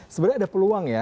sebenarnya ada peluang ya